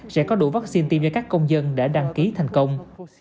sẽ có đủ vaccine tiêm cho các công dân đã đăng ký thành công